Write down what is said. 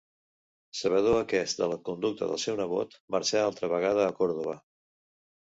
Sabedor aquest de la conducta del seu nebot, marxà altra vegada a Còrdova.